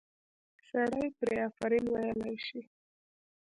سړی پرې آفرین ویلی شي.